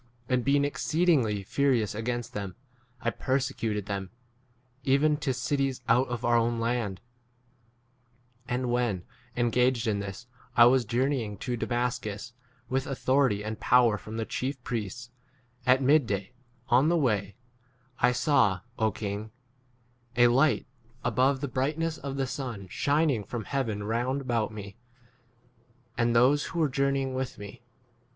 And, being exceedingly furious against them, I persecuted them even to cities out [of our own land], 12 And when, [engaged] in this, I was journeying to Damascus, with authority and power from the chief Vi priests, at mid day, on the way, I saw, O king, a light above the h T. B. has ' the.' i T. R. adds ' Agrippa.' ACTS XXVI, XXVII. brightness of the sun shining from heaven round about ine and those who were journeying with me.